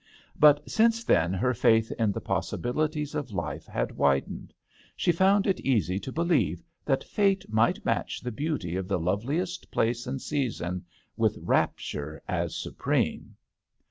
But since then her faith in the possibilities of life 42 THE h6tEL D'ANGLETERRE. had widened: she found it easy to believe that fate might match the beauty of the loveliest place and season with rapture as supreme.